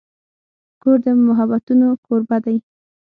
کور د محبتونو کوربه دی.